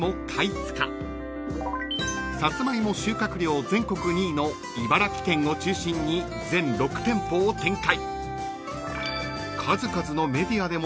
［サツマイモ収穫量全国２位の茨城県を中心に全６店舗を展開］